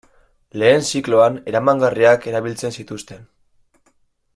Lehen zikloan eramangarriak erabiltzen zituzten.